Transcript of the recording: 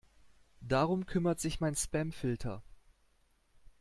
Darum kümmert sich mein Spamfilter.